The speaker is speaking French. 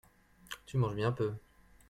Tu manges bien peu.